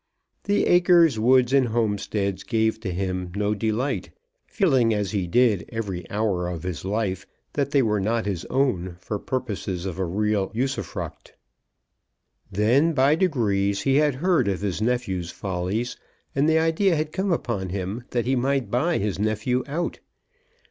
The acres, woods, and homesteads gave to him no delight, feeling as he did every hour of his life that they were not his own for purposes of a real usufruct. Then by degrees he had heard of his nephew's follies, and the idea had come upon him that he might buy his nephew out.